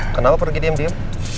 kenapa pergi diem diem